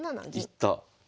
行った。